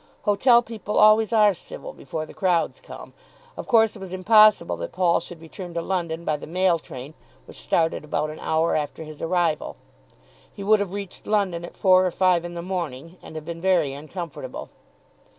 Hotel people always are civil before the crowds come. Of course it was impossible that Paul should return to London by the mail train which started about an hour after his arrival. He would have reached London at four or five in the morning, and have been very uncomfortable.